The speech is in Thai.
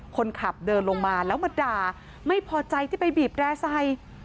คนขับเดินลงมาแล้วมาด่าไม่พอใจที่ไปบีบแร่ใส่